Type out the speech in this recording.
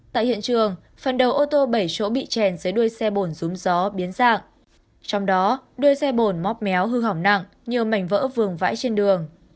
tại hiện trường phần đầu ô tô bảy chỗ bị chèn dưới đuôi xe bồn rúm gió biến dạng trong đó đuôi xe bồn móc méo hư hỏng nặng nhiều mảnh vỡ vườn vãi trên đường